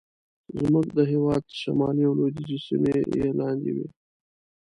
زموږ د هېواد شمالي او لوېدیځې سیمې یې لاندې وې.